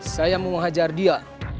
saya mau hajar dia